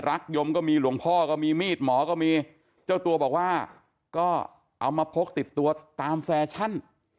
ยมก็มีหลวงพ่อก็มีมีดหมอก็มีเจ้าตัวบอกว่าก็เอามาพกติดตัวตามแฟชั่น